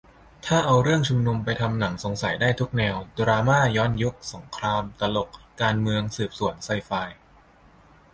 ถ้าเอาเรื่องชุมนุมไปทำหนังสงสัยได้ทุกแนว ดราม่า ย้อนยุค สงคราม ตลก การเมือง สืบสวน ไซไฟ